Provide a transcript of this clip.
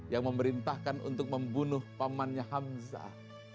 yang memerintahkan untuk membunuh pamannya hamzah